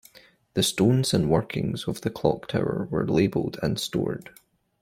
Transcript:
The stones and workings of the clock tower were labelled and stored.